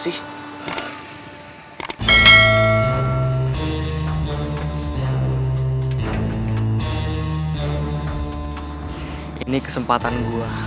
ini kesempatan saya